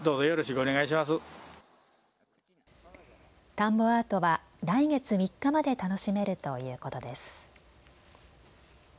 田んぼアートは来月３日まで楽しめるということです。